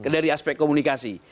dari aspek komunikasi